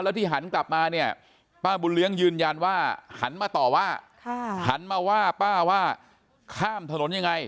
ที่หันกลับมาเนี่ยป้าบุญเลี้ยงยืนยันว่าหันมาต่อว่าหันมาว่าป้าว่าข้ามถนนยังไง